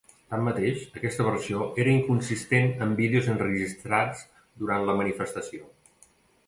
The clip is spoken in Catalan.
Tanmateix, aquesta versió era inconsistent amb vídeos enregistrats durant la manifestació.